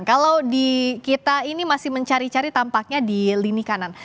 kalau di kita ini masih mencari cari tampaknya di lini kanan